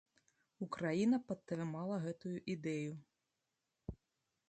Украіна падтрымала гэтую ідэю.